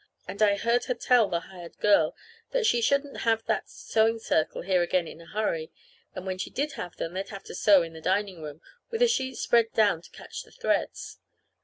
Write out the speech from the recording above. And I heard her tell the hired girl that she shouldn't have that Sewing Circle here again in a hurry, and when she did have them they'd have to sew in the dining room with a sheet spread down to catch the threads.